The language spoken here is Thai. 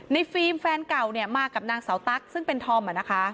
ฟิล์มแฟนเก่ามากับนางสาวตั๊กซึ่งเป็นธอม